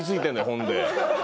ほんで。